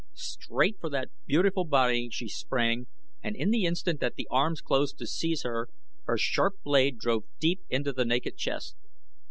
Straight for that beautiful body she sprang and in the instant that the arms closed to seize her her sharp blade drove deep into the naked chest.